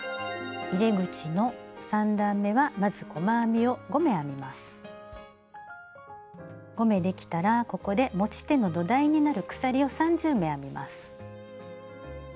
入れ口の３段めはまず５目できたらここで持ち手の土台になる鎖を３０目編みます。